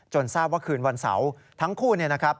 ทราบว่าคืนวันเสาร์ทั้งคู่เนี่ยนะครับ